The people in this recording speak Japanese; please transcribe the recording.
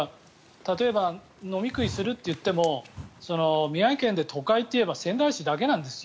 例えば飲み食いするといっても宮城県で都会といったら仙台市だけなんですよ。